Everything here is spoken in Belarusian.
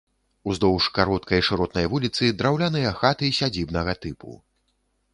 Уздоўж кароткай шыротнай вуліцы драўляныя хаты сядзібнага тыпу.